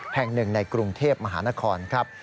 แห่งหนึ่งในกรุงเทพมหานครครับ